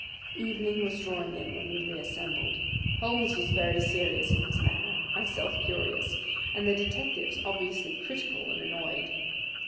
Evening was drawing in when we reassembled. Holmes was very serious in his manner, myself curious, and the detectives obviously critical and annoyed.